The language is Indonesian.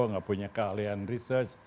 nggak punya keahlian research